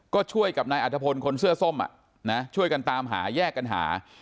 ก็ช่วยกับนายอัธพลคนเสื้อส้มช่วยกันตามหาแยกกันหา